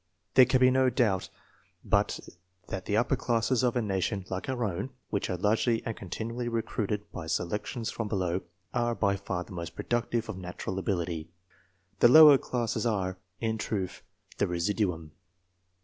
There can be no doubt but that the upper classes of a nation like our own, which are largely and continually recruited by selec tions from below, are by far the most productive of natural ability. The lower classes are, in truth, the "residuum."